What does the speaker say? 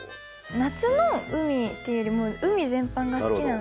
夏の海っていうよりも海全般が好きなので。